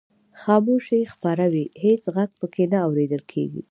خاموشي خپره وي هېڅ غږ پکې نه اورېدل کیږي.